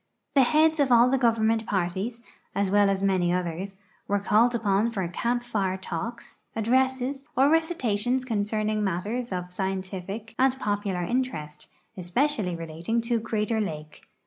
The heads of all the government parties, as well as many others, were called upon for camp fire talks, addresses, or recitations concerning matters of scientific and pop'ular interest, especially relating to Crater lake.